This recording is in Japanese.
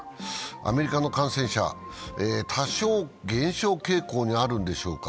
アメリカの感染者は多少減少傾向にあるんでしょうか。